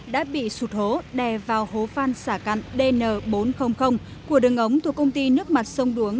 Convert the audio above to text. đã bị sụt hố đè vào hố phan xả cặn dn bốn trăm linh của đường ống thuộc công ty nước mặt sông đuống